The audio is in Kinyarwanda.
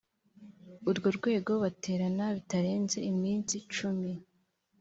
urwo rwego baterana bitarenze iminsi cumi